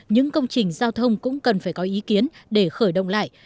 những công trình giao thông cũng cần phải có ý kiến để khởi động lại